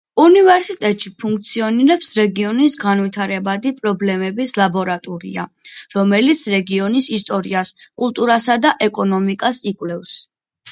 უნივერსიტეტში ფუნქციონირებს რეგიონის განვითარებადი პრობლემების ლაბორატორია, რომელიც რეგიონის ისტორიას, კულტურასა და ეკონომიკას იკვლევს.